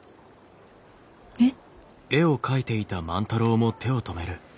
えっ？